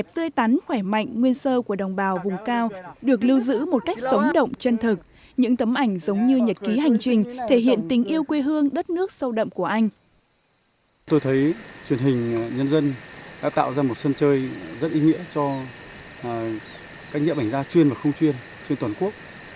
tôi thấy truyền hình nhân dân đã tạo ra một sân chơi rất ý nghĩa cho các nhiệm ảnh gia chuyên và không chuyên trên toàn quốc